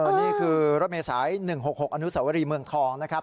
นี่คือรถเมษาย๑๖๖อนุสวรีเมืองทองนะครับ